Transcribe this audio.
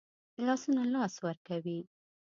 لاسونه لاس ورکوي